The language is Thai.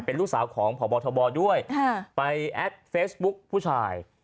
เป็นลูกสาวของพบทบด้วยไปแอดเฟซบุ๊คผู้ชาย